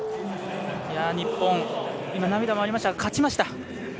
日本、涙もありましたが勝ちました。